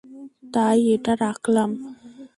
তাই এটা রাখলাম।